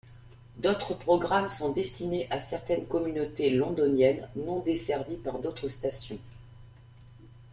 D'autres programmes sont destinés à certaines communautés londoniennes non desservies par d'autres stations.